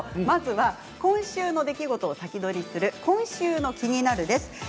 まずは今週の出来事を先取りする「今週のキニナル」です。